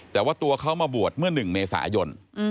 แต่ว่าตัวเขามาบวชเมื่อ๑เมษายน